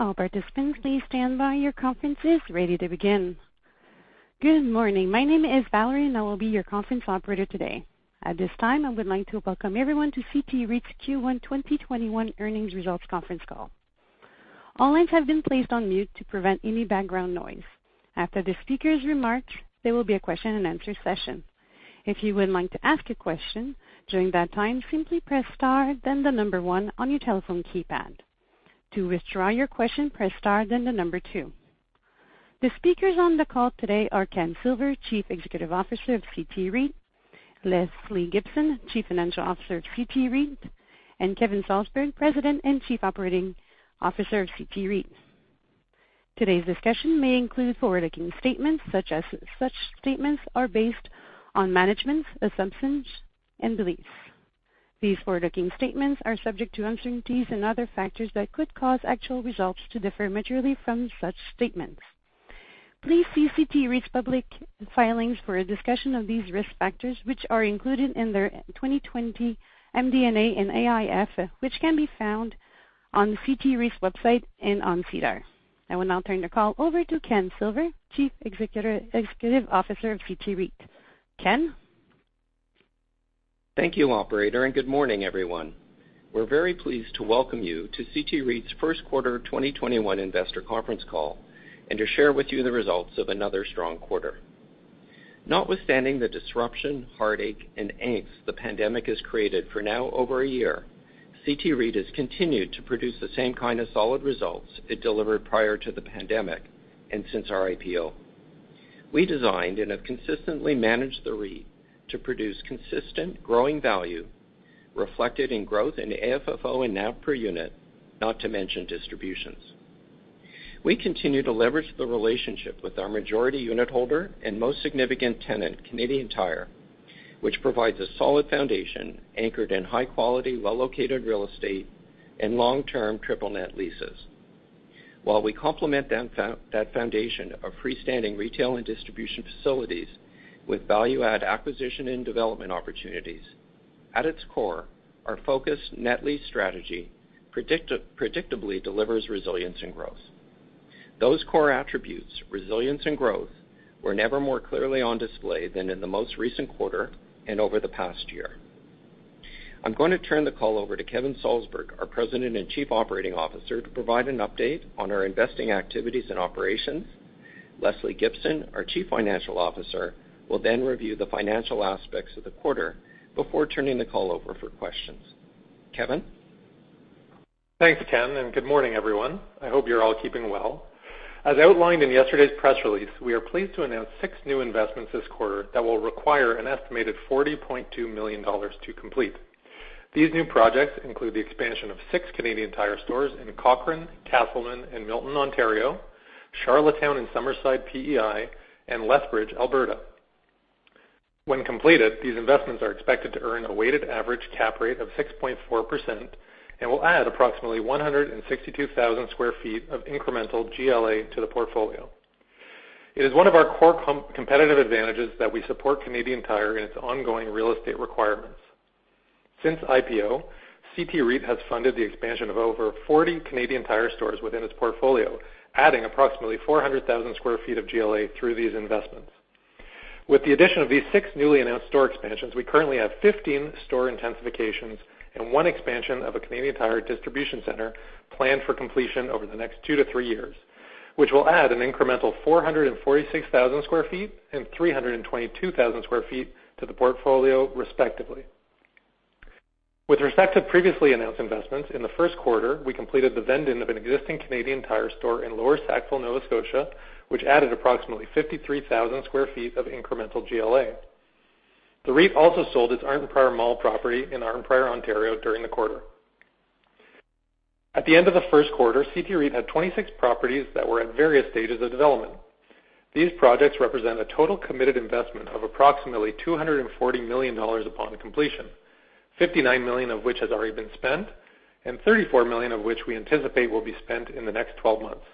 Good morning. My name is Valerie, and I will be your conference operator today. At this time, I would like to welcome everyone to CT REIT's Q1 2021 earnings results conference call. All lines have been placed on mute to prevent any background noise. After the speakers' remarks, there will be a question and answer session. If you would like to ask a question during that time, simply press star then the number one on your telephone keypad. To withdraw your question, press star then the number two. The speakers on the call today are Ken Silver, Chief Executive Officer of CT REIT, Lesley Gibson, Chief Financial Officer at CT REIT, and Kevin Salsberg, President and Chief Operating Officer of CT REIT. Today's discussion may include forward-looking statements, such statements are based on management's assumptions and beliefs. These forward-looking statements are subject to uncertainties and other factors that could cause actual results to differ materially from such statements. Please see CT REIT's public filings for a discussion of these risk factors, which are included in their 2020 MD&A and AIF, which can be found on CT REIT's website and on SEDAR. I will now turn the call over to Ken Silver, Chief Executive Officer of CT REIT. Ken? Thank you, operator, and good morning, everyone. We're very pleased to welcome you to CT REIT's first quarter 2021 investor conference call and to share with you the results of another strong quarter. Notwithstanding the disruption, heartache, and angst the pandemic has created for now over a year, CT REIT has continued to produce the same kind of solid results it delivered prior to the pandemic and since our IPO. We designed and have consistently managed the REIT to produce consistent, growing value reflected in growth in AFFO and NAV per unit, not to mention distributions. We continue to leverage the relationship with our majority unit holder and most significant tenant, Canadian Tire, which provides a solid foundation anchored in high-quality, well-located real estate and long-term triple net leases. While we complement that foundation of freestanding retail and distribution facilities with value-add acquisition and development opportunities, at its core, our focused net lease strategy predictably delivers resilience and growth. Those core attributes, resilience and growth, were never more clearly on display than in the most recent quarter and over the past year. I'm going to turn the call over to Kevin Salsberg, our President and Chief Operating Officer, to provide an update on our investing activities and operations. Lesley Gibson, our Chief Financial Officer, will then review the financial aspects of the quarter before turning the call over for questions. Kevin? Thanks, Ken, good morning, everyone. I hope you're all keeping well. As outlined in yesterday's press release, we are pleased to announce six new investments this quarter that will require an estimated 40.2 million dollars to complete. These new projects include the expansion of six Canadian Tire stores in Cochrane, Casselman, and Milton, Ontario, Charlottetown and Summerside, PEI, and Lethbridge, Alberta. When completed, these investments are expected to earn a weighted average cap rate of 6.4% and will add approximately 162,000 sq ft of incremental GLA to the portfolio. It is one of our core competitive advantages that we support Canadian Tire in its ongoing real estate requirements. Since IPO, CT REIT has funded the expansion of over 40 Canadian Tire stores within its portfolio, adding approximately 400,000 sq ft of GLA through these investments. With the addition of these six newly announced store expansions, we currently have 15 store intensifications and one expansion of a Canadian Tire distribution center planned for completion over the next two to three years, which will add an incremental 446,000 sq ft and 322,000 sq ft to the portfolio, respectively. With respect to previously announced investments, in the first quarter, we completed the vend-in of an existing Canadian Tire store in Lower Sackville, Nova Scotia, which added approximately 53,000 sq ft of incremental GLA. The REIT also sold its Arnprior Mall property in Arnprior, Ontario, during the quarter. At the end of the first quarter, CT REIT had 26 properties that were at various stages of development. These projects represent a total committed investment of approximately 240 million dollars upon completion, 59 million of which has already been spent and 34 million of which we anticipate will be spent in the next 12 months.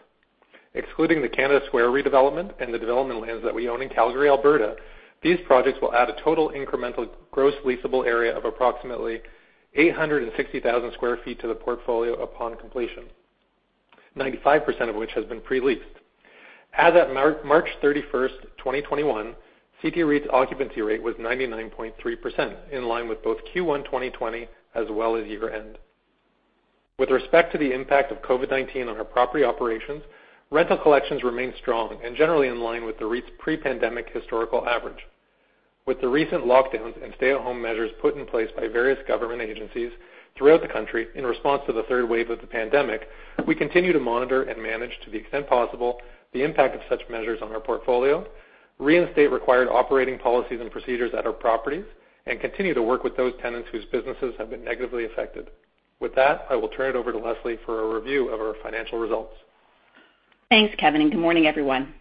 Excluding the Canada Square redevelopment and the development lands that we own in Calgary, Alberta, these projects will add a total incremental gross leasable area of approximately 860,000 sq ft to the portfolio upon completion, 95% of which has been pre-leased. As at March 31st, 2021, CT REIT's occupancy rate was 99.3%, in line with both Q1 2020 as well as year-end. With respect to the impact of COVID-19 on our property operations, rental collections remain strong and generally in line with the REIT's pre-pandemic historical average. With the recent lockdowns and stay-at-home measures put in place by various government agencies throughout the country in response to the third wave of the pandemic, we continue to monitor and manage to the extent possible the impact of such measures on our portfolio, reinstate required operating policies and procedures at our properties, and continue to work with those tenants whose businesses have been negatively affected. With that, I will turn it over to Lesley for a review of our financial results. Thanks, Kevin, and good morning, everyone.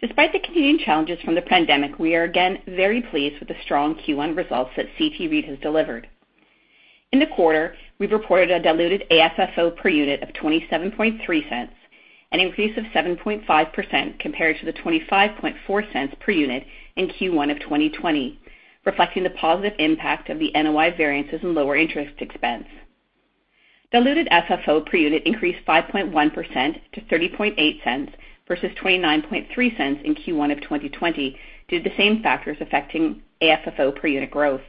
Despite the continuing challenges from the pandemic, we are again very pleased with the strong Q1 results that CT REIT has delivered. In the quarter, we've reported a diluted AFFO per unit of 0.273. An increase of 7.5% compared to the 0.254 per unit in Q1 of 2020, reflecting the positive impact of the NOI variances and lower interest expense. Diluted FFO per unit increased 5.1% to 0.308 versus 0.293 in Q1 of 2020, due to the same factors affecting AFFO per unit growth.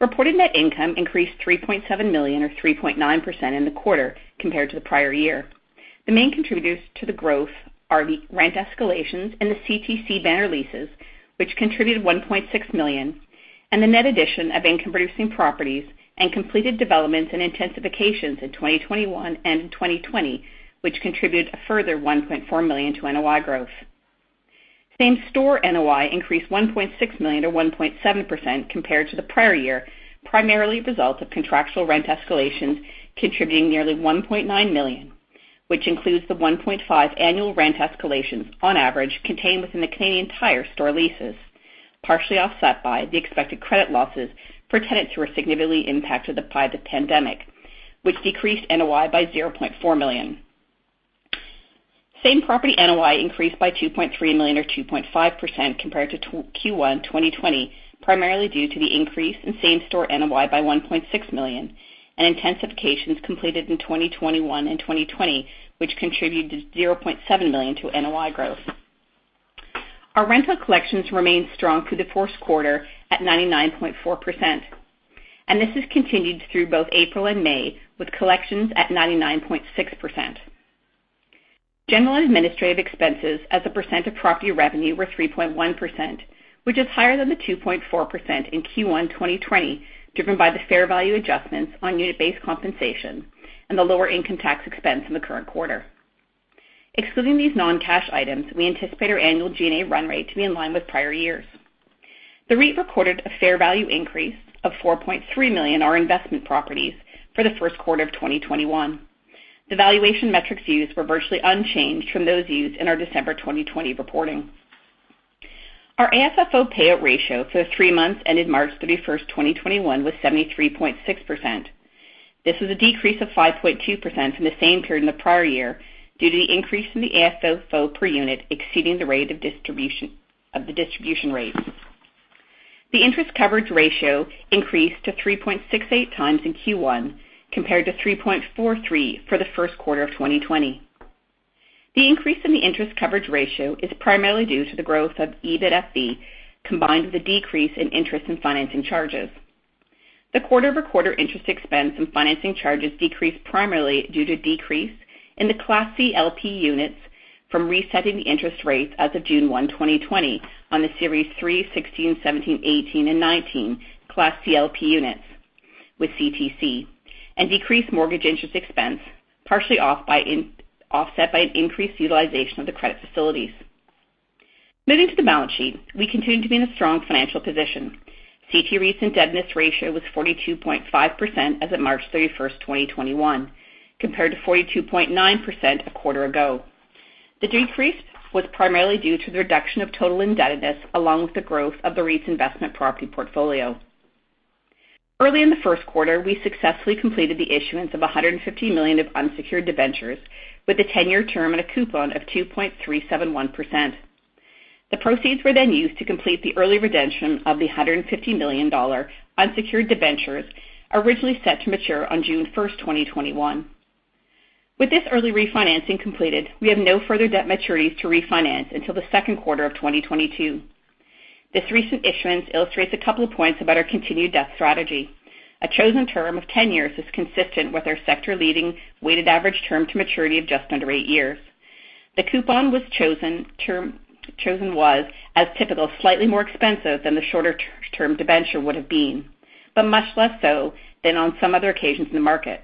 Reported net income increased 3.7 million or 3.9% in the quarter compared to the prior year. The main contributors to the growth are the rent escalations and the CTC banner leases, which contributed 1.6 million, and the net addition of income-producing properties and completed developments and intensifications in 2021 and 2020, which contributed a further 1.4 million to NOI growth. Same store NOI increased 1.6 million or 1.7% compared to the prior year, primarily a result of contractual rent escalations contributing nearly 1.9 million, which includes the 1.5% annual rent escalations on average contained within the Canadian Tire store leases, partially offset by the expected credit losses for tenants who were significantly impacted by the pandemic, which decreased NOI by 0.4 million. Same-property NOI increased by 2.3 million or 2.5% compared to Q1 2020, primarily due to the increase in same store NOI by 1.6 million and intensifications completed in 2021 and 2020, which contributed 0.7 million to NOI growth. Our rental collections remained strong through the first quarter at 99.4%. This has continued through both April and May with collections at 99.6%. General administrative expenses as a percent of property revenue were 3.1%, which is higher than the 2.4% in Q1 2020, driven by the fair value adjustments on unit-based compensation and the lower income tax expense in the current quarter. Excluding these non-cash items, we anticipate our annual G&A run rate to be in line with prior years. The REIT recorded a fair value increase of 4.3 million on our investment properties for the first quarter of 2021. The valuation metrics used were virtually unchanged from those used in our December 2020 reporting. Our AFFO payout ratio for the three months ended March 31st, 2021 was 73.6%. This was a decrease of 5.2% from the same period in the prior year due to the increase in the AFFO per unit exceeding the rate of the distribution rate. The interest coverage ratio increased to 3.68 times in Q1 compared to 3.43 for the first quarter of 2020. The increase in the interest coverage ratio is primarily due to the growth of EBITFV combined with a decrease in interest and financing charges. The QoQ interest expense and financing charges decreased primarily due to decrease in the Class C LP Units from resetting the interest rates as of June 1, 2020 on the Series 3, 16, 17, 18, and 19 Class C LP Units with CTC, and decreased mortgage interest expense, partially offset by an increased utilization of the credit facilities. Moving to the balance sheet, we continue to be in a strong financial position. CT REIT's indebtedness ratio was 42.5% as of March 31, 2021, compared to 42.9% a quarter ago. The decrease was primarily due to the reduction of total indebtedness along with the growth of the REIT's investment property portfolio. Early in the first quarter, we successfully completed the issuance of 150 million of unsecured debentures with a 10-year term and a coupon of 2.371%. The proceeds were used to complete the early redemption of the 150 million dollar unsecured debentures originally set to mature on June 1st, 2021. With this early refinancing completed, we have no further debt maturities to refinance until the second quarter of 2022. This recent issuance illustrates a couple of points about our continued debt strategy. A chosen term of 10 years is consistent with our sector leading weighted average term to maturity of just under eight years. The coupon chosen was, as typical, slightly more expensive than the shorter term debenture would have been, but much less so than on some other occasions in the market.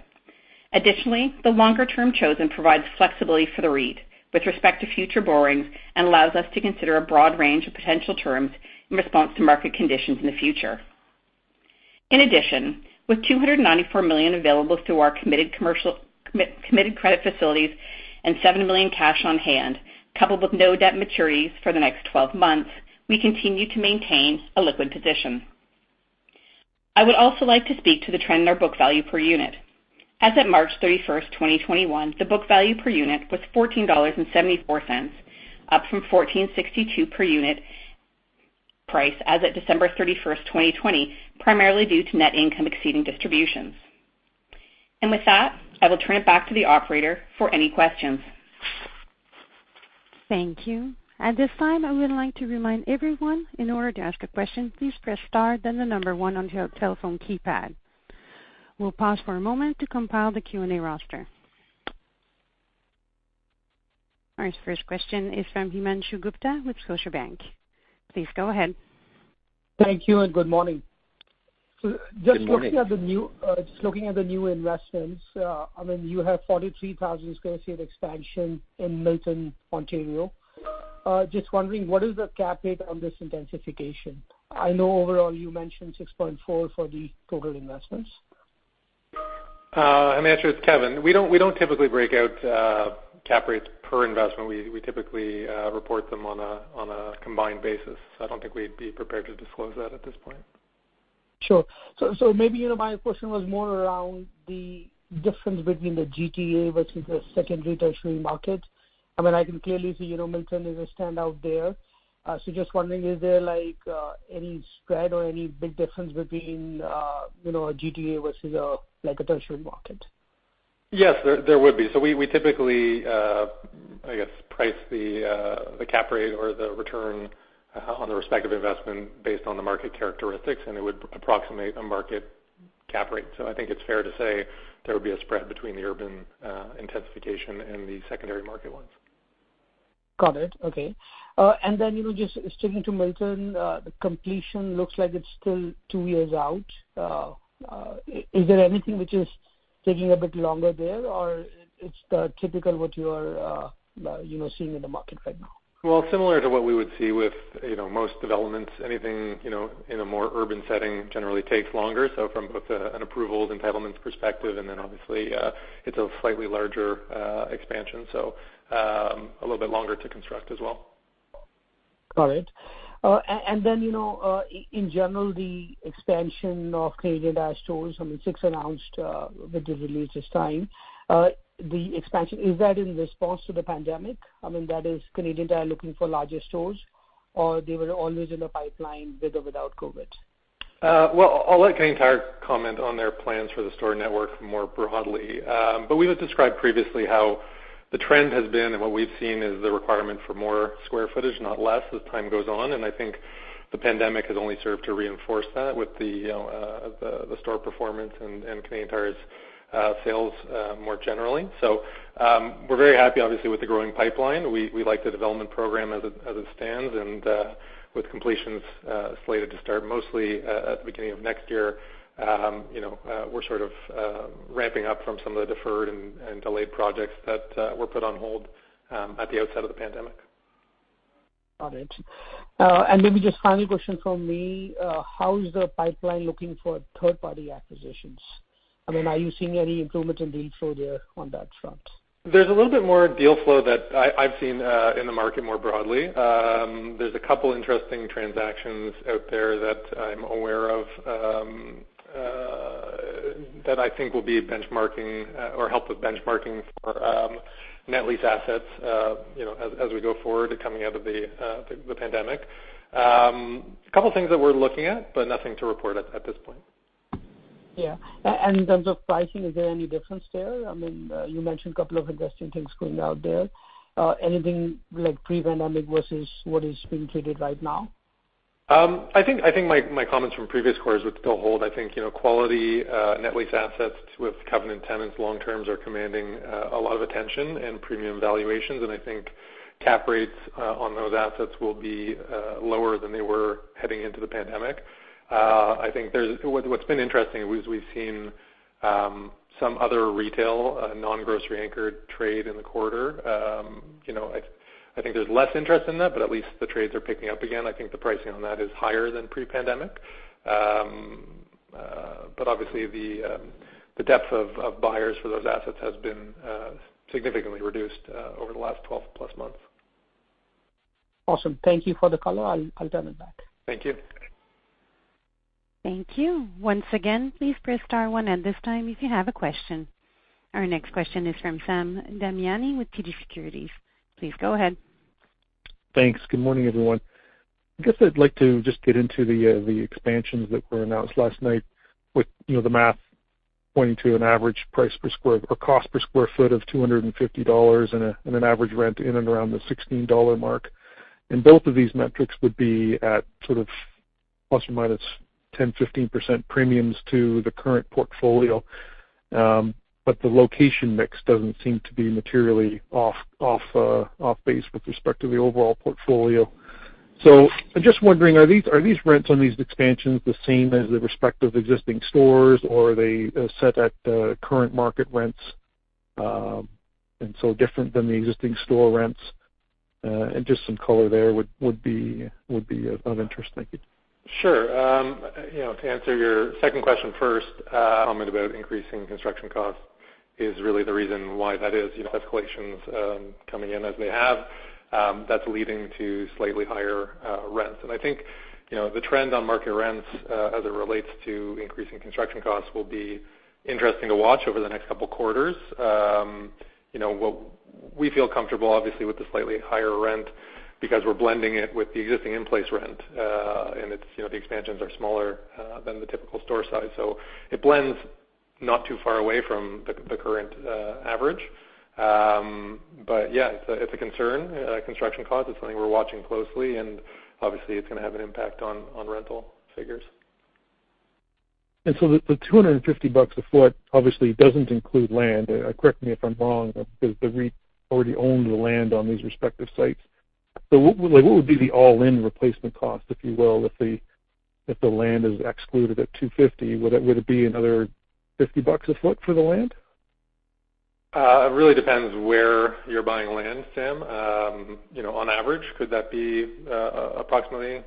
Additionally, the longer term chosen provides flexibility for the REIT with respect to future borrowings and allows us to consider a broad range of potential terms in response to market conditions in the future. In addition, with 294 million available through our committed credit facilities and 7 million cash on hand, coupled with no debt maturities for the next 12 months, we continue to maintain a liquid position. I would also like to speak to the trend in our book value per unit. As of March 31st, 2021, the book value per unit was 14.74 dollars, up from 14.62 per unit price as of December 31st, 2020, primarily due to net income exceeding distributions. With that, I will turn it back to the operator for any questions. Thank you. At this time, I would like to remind everyone in order to ask a question, please press star then the number one on your telephone keypad. We'll pause for a moment to compile the Q&A roster. Our first question is from Himanshu Gupta with Scotiabank. Please go ahead. Thank you, and good morning. Good morning. Just looking at the new investments, you have 43,000 sq ft of expansion in Milton, Ontario. Just wondering, what is the cap rate on this intensification? I know overall you mentioned 6.4% for the total investments. Himanshu, it's Kevin. We don't typically break out cap rates per investment. We typically report them on a combined basis. I don't think we'd be prepared to disclose that at this point. Sure. Maybe my question was more around the difference between the GTA versus the secondary tertiary market. I can clearly see Milton is a standout there. Just wondering, is there any spread or any big difference between GTA versus a tertiary market? Yes, there would be. We typically price the cap rate or the return on the respective investment based on the market characteristics, and it would approximate a market cap rate. I think it's fair to say there would be a spread between the urban intensification and the secondary market ones. Got it. Okay. Just sticking to Milton, the completion looks like it is still two years out. Is there anything which is taking a bit longer there, or it is typical what you are seeing in the market right now? Similar to what we would see with most developments, anything in a more urban setting generally takes longer. From both an approvals, entitlements perspective, and then obviously it's a slightly larger expansion, a little bit longer to construct as well. Got it. In general, the expansion of Canadian Tire stores, six announced with the release this time. The expansion, is that in response to the pandemic? I mean, that is Canadian Tire looking for larger stores, or they were always in the pipeline with or without COVID? Well, I'll let Canadian Tire comment on their plans for the store network more broadly. We had described previously how the trend has been and what we've seen is the requirement for more square footage, not less as time goes on. I think the pandemic has only served to reinforce that with the store performance and Canadian Tire's sales more generally. We're very happy obviously with the growing pipeline. We like the development program as it stands, and with completions slated to start mostly at the beginning of next year. We're sort of ramping up from some of the deferred and delayed projects that were put on hold at the outset of the pandemic. Got it. Maybe just final question from me. How is the pipeline looking for third-party acquisitions? I mean, are you seeing any improvement in deal flow there on that front? There's a little bit more deal flow that I've seen in the market more broadly. There's a couple interesting transactions out there that I'm aware of that I think will be benchmarking or help with benchmarking for net lease assets as we go forward coming out of the pandemic. A couple of things that we're looking at, but nothing to report at this point. Yeah. In terms of pricing, is there any difference there? You mentioned a couple of interesting things going out there. Anything like pre-pandemic versus what is being treated right now? I think my comments from previous quarters would still hold. I think quality net lease assets with covenant tenants long-term are commanding a lot of attention and premium valuations. I think cap rates on those assets will be lower than they were heading into the pandemic. What's been interesting is we've seen some other retail, non-grocery anchored trade in the quarter. I think there's less interest in that, but at least the trades are picking up again. I think the pricing on that is higher than pre-pandemic. Obviously the depth of buyers for those assets has been significantly reduced over the last 12+ months. Awesome. Thank you for the color. I'll turn it back. Thank you. Thank you. Once again, please press star one at this time if you have a question. Our next question is from Sam Damiani with TD Securities. Please go ahead. Thanks. Good morning, everyone. I guess I'd like to just get into the expansions that were announced last night with the math pointing to an average price per square, or cost per square foot of 250 dollars and an average rent in and around the 16 dollar mark. Both of these metrics would be at sort of ±10%-15% premiums to the current portfolio. The location mix doesn't seem to be materially off base with respect to the overall portfolio. I'm just wondering, are these rents on these expansions the same as the respective existing stores, or are they set at current market rents and so different than the existing store rents? Just some color there would be of interest. Thank you. Sure. To answer your second question first, comment about increasing construction costs is really the reason why that is. Escalations coming in as they have, that's leading to slightly higher rents. I think the trend on market rents as it relates to increasing construction costs will be interesting to watch over the next couple quarters. We feel comfortable, obviously, with the slightly higher rent because we're blending it with the existing in-place rent. The expansions are smaller than the typical store size, so it blends not too far away from the current average. Yeah, it's a concern. Construction cost is something we're watching closely, and obviously it's going to have an impact on rental figures. The 250 bucks a foot obviously doesn't include land. Correct me if I'm wrong, because the REIT already owned the land on these respective sites. What would be the all-in replacement cost, if you will, if the land is excluded at 250? Would it be another 50 bucks a foot for the land? It really depends where you're buying land, Sam. On average, could that be approximately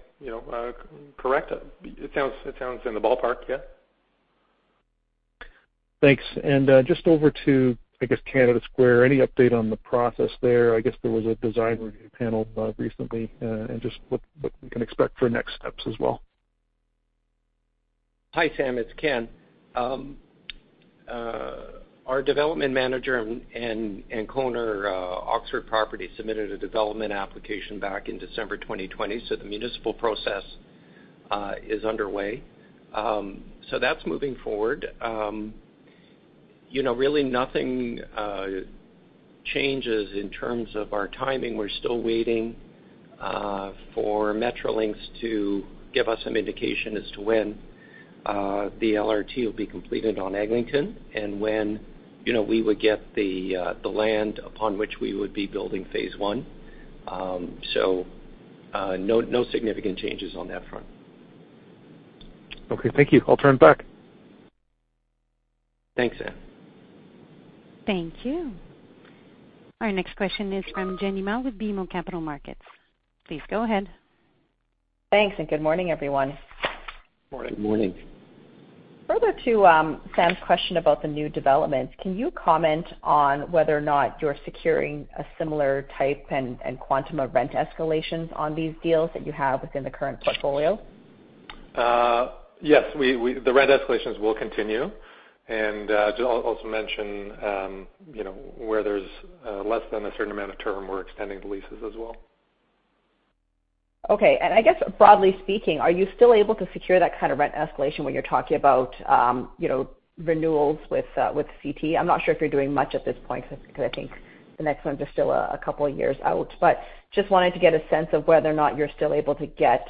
correct? It sounds in the ballpark. Yeah. Thanks. Just over to, I guess, Canada Square, any update on the process there? I guess there was a design review panel recently, and just what we can expect for next steps as well? Hi, Sam, it's Ken. Our development manager and co-owner, Oxford Properties, submitted a development application back in December 2020, so the municipal process is underway. That's moving forward. Really nothing changes in terms of our timing. We're still waiting for Metrolinx to give us some indication as to when the LRT will be completed on Eglinton and when we would get the land upon which we would be building phase one. No significant changes on that front. Okay, thank you. I'll turn back. Thanks, Sam. Thank you. Our next question is from Jenny Ma with BMO Capital Markets. Please go ahead. Thanks. Good morning, everyone. Morning. Good morning. Further to Sam's question about the new developments, can you comment on whether or not you're securing a similar type and quantum of rent escalations on these deals that you have within the current portfolio? Yes, the rent escalations will continue. To also mention, where there's less than a certain amount of term, we're extending the leases as well. Okay. I guess broadly speaking, are you still able to secure that kind of rent escalation when you're talking about renewals with CT? I'm not sure if you're doing much at this point, because I think the next ones are still a couple of years out. Just wanted to get a sense of whether or not you're still able to get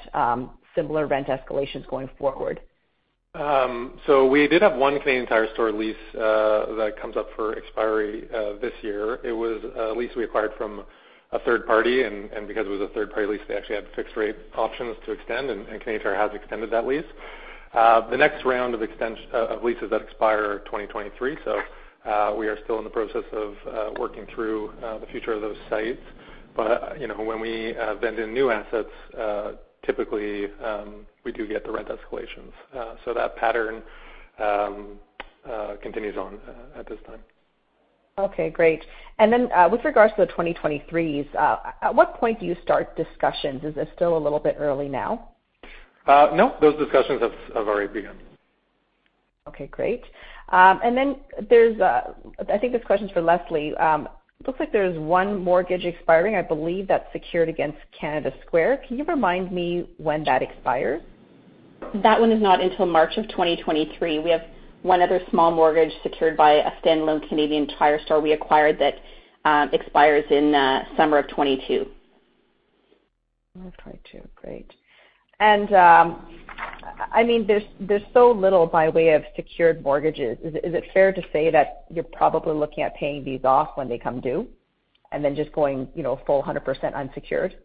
similar rent escalations going forward. We did have one Canadian Tire store lease that comes up for expiry this year. It was a lease we acquired from a third party, and because it was a third-party lease, they actually had fixed rate options to extend, and Canadian Tire has extended that lease. The next round of leases that expire are 2023, so we are still in the process of working through the future of those sites. When we vend in new assets, typically, we do get the rent escalations. That pattern continues on at this time. Okay, great. With regards to the 2023s, at what point do you start discussions? Is it still a little bit early now? No, those discussions have already begun. Okay, great. I think this question's for Lesley Gibson. Looks like there's one mortgage expiring, I believe that's secured against Canada Square. Can you remind me when that expires? That one is not until March of 2023. We have one other small mortgage secured by a stand-alone Canadian Tire store we acquired that expires in summer of 2022. Of 2022. Great. There's so little by way of secured mortgages. Is it fair to say that you're probably looking at paying these off when they come due? Just going full 100% unsecured?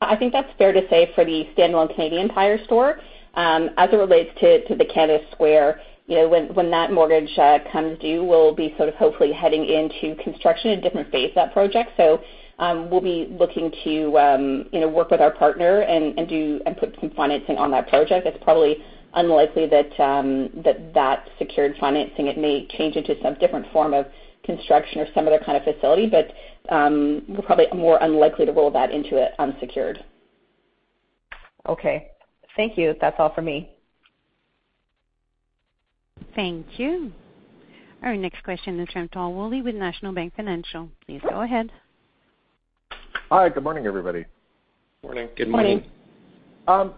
I think that's fair to say for the stand-alone Canadian Tire store. As it relates to the Canada Square, when that mortgage comes due, we'll be sort of hopefully heading into construction, a different phase of that project. We'll be looking to work with our partner and put some financing on that project. It's probably unlikely that secured financing, it may change into some different form of construction or some other kind of facility. We're probably more unlikely to roll that into it unsecured. Okay. Thank you. That's all for me. Thank you. Our next question is from Tal Woolley with National Bank Financial. Please go ahead. Hi. Good morning, everybody. Morning. Good morning.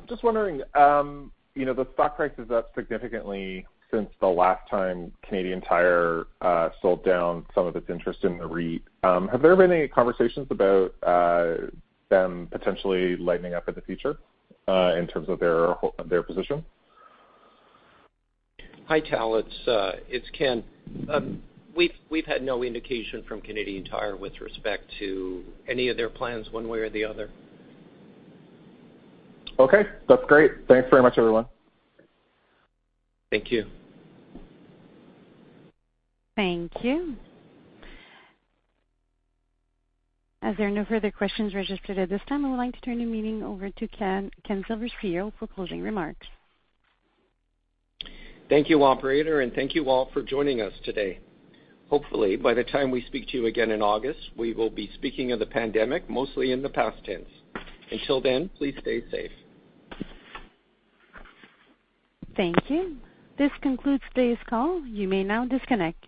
Just wondering, the stock price is up significantly since the last time Canadian Tire sold down some of its interest in the REIT. Have there been any conversations about them potentially lightening up in the future in terms of their position? Hi, Tal, it's Ken. We've had no indication from Canadian Tire with respect to any of their plans one way or the other. Okay. That's great. Thanks very much, everyone. Thank you. Thank you. As there are no further questions registered at this time, I would like to turn the meeting over to Ken Silver for closing remarks. Thank you, operator. Thank you all for joining us today. Hopefully, by the time we speak to you again in August, we will be speaking of the pandemic mostly in the past tense. Until then, please stay safe. Thank you. This concludes today's call. You may now disconnect.